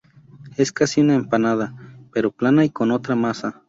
Es casi una empanada, pero plana y con otra masa.